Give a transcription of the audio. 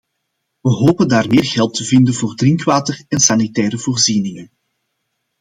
We hopen daar meer geld te vinden voor drinkwater en sanitaire voorzieningen.